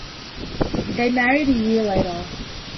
They married a year later.